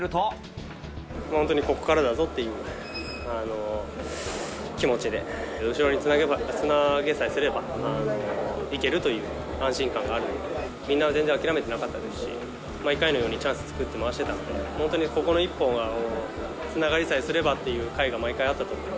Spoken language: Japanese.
本当にここからだぞっていう気持ちで、後ろにつなげば、つなげさえすれば、いけるという安心感があるので、みんな全然諦めてなかったし、毎回のようにチャンス作って回してたので、ここの一本がつながりさえすればという回が毎回あったと思う。